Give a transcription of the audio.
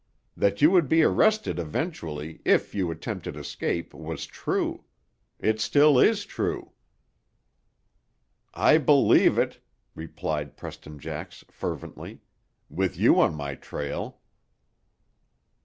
That you would be arrested eventually, if you attempted escape was true. It still is true." "I believe it," replied Preston Jax fervently, "with you on my trail."